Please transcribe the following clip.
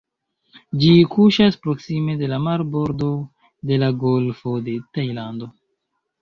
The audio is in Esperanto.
Ĝi kuŝas proksime de la marbordo de la Golfo de Tajlando.